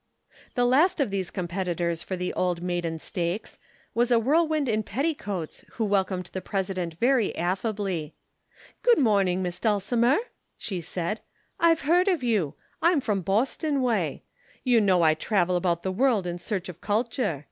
The last of these competitors for the Old Maiden Stakes was a whirlwind in petticoats who welcomed the President very affably. "Good morning, Miss Dulcimer," she said. "I've heard of you. I'm from Boston way. You know I travel about the world in search of culture.